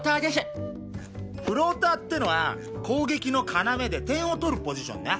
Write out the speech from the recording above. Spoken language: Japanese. フローターっていうのは攻撃の要で点を取るポジションな。